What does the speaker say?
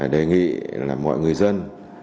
đề nghị mọi người dân